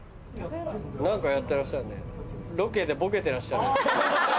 何かやってらっしゃるねロケでボケてらっしゃる。